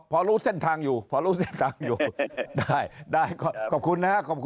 พอรู้เส้นทางอยู่ได้ครับขอบคุณครับ